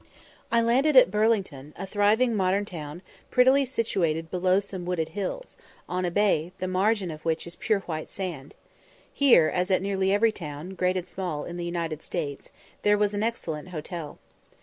I landed at Burlington, a thriving modern town, prettily situated below some wooded hills, on a bay, the margin of which is pure white sand, Here, as at nearly every town, great and small, in the United States, there was an excellent hotel.